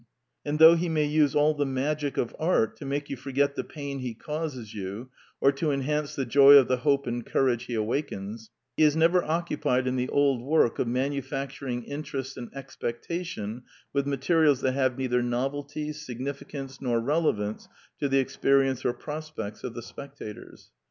And though he may use all the magic of art to make you forget the pain he causes you or to enhance the joy of the hope and courage he awakens, he is never occupied in the old work of manufacturing interest and expectation with materials that have neither novelty, significance, nor relevance to the experience or prospects of the spectators.